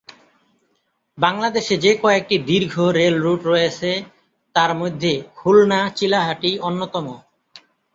বাংলাদেশে যে কয়েকটি দীর্ঘ রেল রুট রয়েছে তার মধ্যে খুলনা চিলাহাটি অন্যতম।